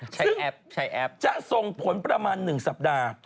ใช้แอปซึ่งจะส่งผลประมาณ๑สัปดาห์